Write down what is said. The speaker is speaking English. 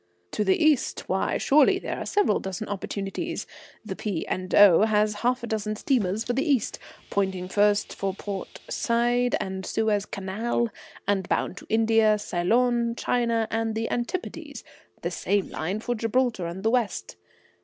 "To the East? Why, surely, there are several opportunities. The P. and O. has half a dozen steamers for the East, pointing first for Port Said and Suez Canal, and bound to India, Ceylon, China, and the Antipodes; the same line for Gibraltar and the West.